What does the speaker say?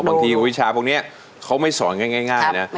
บางทีวิชาพวกนี้เขาไม่สอนง่ายง่ายนะ